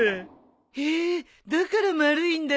へえだから丸いんだ。